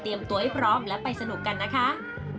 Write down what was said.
ตัวให้พร้อมและไปสนุกกันนะคะ